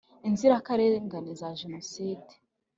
Inzirakarengane za Genoside.